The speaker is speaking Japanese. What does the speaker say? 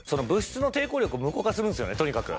とにかく。